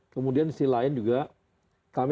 kemudian sisi lain juga kami